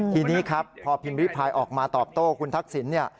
ทีนี้ครับพอพิมพ์ริพายออกมาตอบโต้คุณทักษิณเนี่ย